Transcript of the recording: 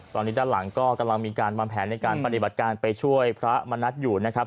ตอนนี้ด้านหลังก็กำลังมีการวางแผนในการปฏิบัติการไปช่วยพระมณัฐอยู่นะครับ